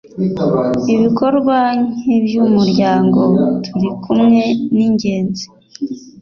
ibikorwa nk ‘ibyumuryango turikumwe ningenzi.